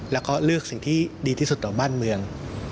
แล้วก็เลือกสิ่งที่ดีที่สุดต่อบ้านเมือง